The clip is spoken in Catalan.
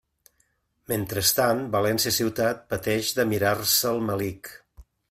Mentrestant, València ciutat pateix de «mirar-se el melic».